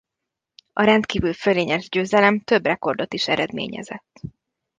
A rendkívül fölényes győzelem több rekordot is eredményezett.